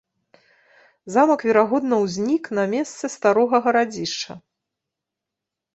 Замак верагодна ўзнік на месцы старога гарадзішча.